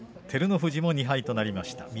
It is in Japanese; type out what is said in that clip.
照ノ富士も２敗となりました。